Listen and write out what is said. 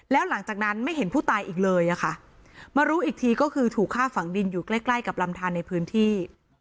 แล้วหลังจากนั้นไม่เห็นผู้ตายอีกเลยอะค่ะมารู้อีกทีก็คือถูกฆ่าฝังดินอยู่ใกล้ใกล้กับลำทานในพื้นที่